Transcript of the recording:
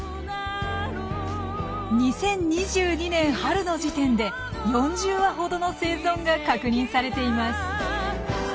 ２０２２年春の時点で４０羽ほどの生存が確認されています。